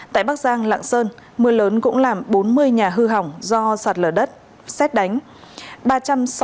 tại bắc giang lạng sơn mưa lớn cũng làm bốn mươi nhà hư hỏng do sạt lở đất xét đánh